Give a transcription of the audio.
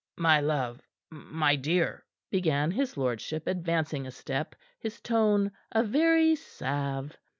"My love my dear " began his lordship, advancing a step, his tone a very salve.